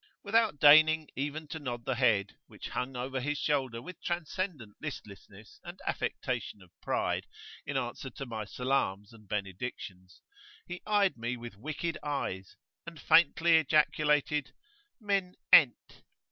Without deigning even to nod the head, which hung over his shoulder with transcendent listlessness and affectation of pride, in answer to my salams and benedictions, he eyed me with wicked eyes, and faintly ejaculated "Min ent[FN#8]?"